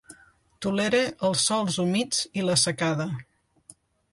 Tolera els sòls humits i la secada.